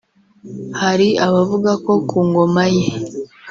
Hari abavuga ko ku ngoma ye